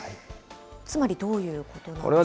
つまりどういうことなんでしょうか。